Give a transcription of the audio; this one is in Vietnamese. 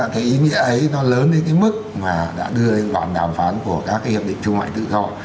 cái ý nghĩa ấy nó lớn đến cái mức mà đã đưa lên bản đàm phán của các cái hiệp định thương mại tự do